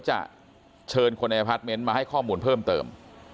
จะเชิญคนในอพาร์ทเมนต์มาให้ข้อมูลเพิ่มเติม